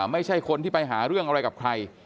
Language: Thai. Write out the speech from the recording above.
ไม่ใช่คนที่ไปหาเรื่องอะไรกับใคร